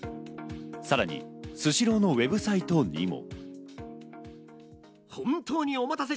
さらにスシローのＷＥＢサイトにも。